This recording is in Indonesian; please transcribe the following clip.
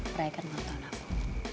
meraikan uang tahun aku